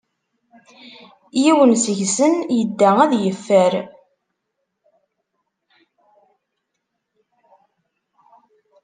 Yiwen seg-sen yedda ad yeffer.